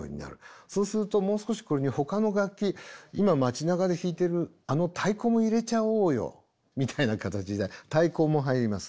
そうするともう少しこれにほかの楽器今街なかで弾いてるあの太鼓も入れちゃおうよみたいな形で太鼓も入ります。